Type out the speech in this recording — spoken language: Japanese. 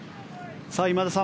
今田さん